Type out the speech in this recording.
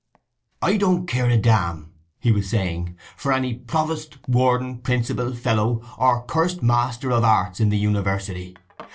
"I don't care a damn," he was saying, "for any provost, warden, principal, fellow, or cursed master of arts in the university!